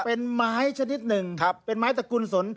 เป็นไม้ชนิดหนึ่งเป็นไม้ตระกุลสน